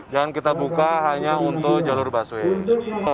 dan kita buka hanya untuk jalur busway